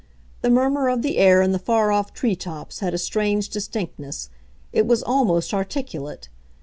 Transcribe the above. The murmur of the air in the far off tree tops had a strange distinctness; it was almost articulate.